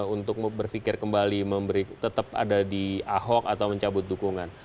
untuk berpikir kembali tetap ada di ahok atau mencabut dukungan